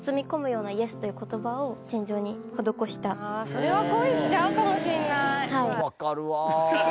それは恋しちゃうかもしんない。